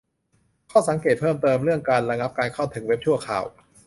ข้อสังเกตเพิ่มเติม เรื่องการ "ระงับการเข้าถึงเว็บชั่วคราว"